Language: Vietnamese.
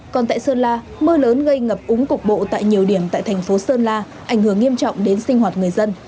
còn tại sơn la mưa lớn gây ngập úng cục bộ tại nhiều điểm tại thành phố sơn la ảnh hưởng nghiêm trọng đến sinh hoạt người dân